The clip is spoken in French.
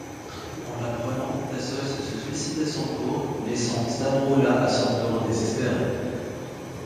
En l'apprenant, Tassos se suicide à son tour, laissant Stavroula à son tour désespérée.